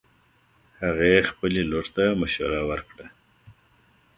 هغې خبلې لور ته مشوره ورکړه